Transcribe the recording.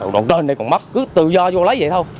độ trên đây còn mất cứ tự do vô lấy vậy thôi